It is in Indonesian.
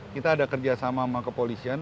kita ada kerjasama sama kepolisian